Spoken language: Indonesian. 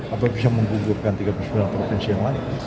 atau bisa menggugurkan tiga puluh sembilan provinsi yang lain